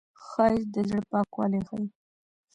ښایست د زړه پاکوالی ښيي